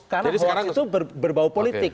karena hoax itu berbau politik